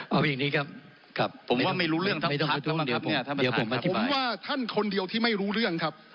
เอาอย่างงี้ครับครับผมว่าไม่รู้เรื่องทั้งทั้งทั้งไม่ต้องประทวงเดี๋ยวผมผมว่าท่านคนเดียวที่ไม่รู้เรื่องครับ